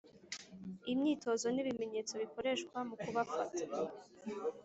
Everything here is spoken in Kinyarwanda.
Imyitozo n’ibimenyetso bikoreshwa mu kubafata